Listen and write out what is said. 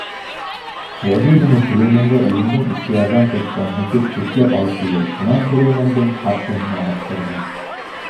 Вәзир мине Сөләймәнгә үҙемдең ихтыярҙан тыш, кәмһетеп, көсләп алып килде, шунан Сөләймәндең ҡаршыһына баҫтырҙы.